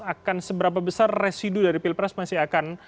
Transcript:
akan seberapa besar residu dari pilpres masih akan